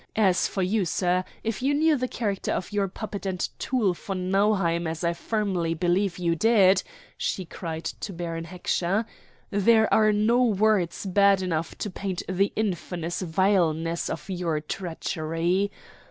As for you, sir, if you knew the character of your puppet and tool von Nauheim, as I firmly believe you did," she cried to Baron Heckscher, "there are no words bad enough to paint the infamous vileness of your treachery.